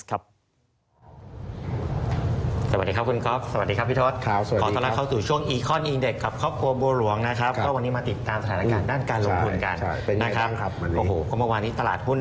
เก็บเกี่ยวนะครับคนที่ซื้อนะครับก็คือนักธุรกิจสถาบัน